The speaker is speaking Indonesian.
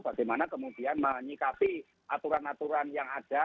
bagaimana kemudian menyikapi aturan aturan yang ada